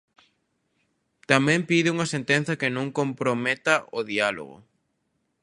Tamén pide unha sentenza que non comprometa o diálogo.